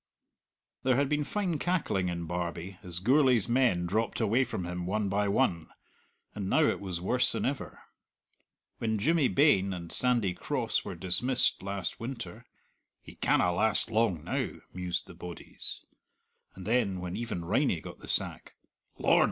There had been fine cackling in Barbie as Gourlay's men dropped away from him one by one; and now it was worse than ever. When Jimmy Bain and Sandy Cross were dismissed last winter, "He canna last long now," mused the bodies; and then when even Riney got the sack, "Lord!"